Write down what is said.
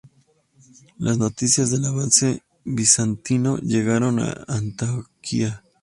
Las noticias del avance bizantino llegaron a Antioquía.